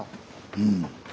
うん。